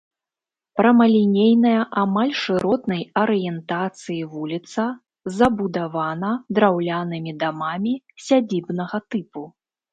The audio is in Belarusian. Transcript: Прамалінейная амаль шыротнай арыентацыі вуліца забудавана драўлянымі дамамі сядзібнага тыпу.